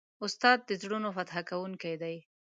استاد د زړونو فتح کوونکی دی.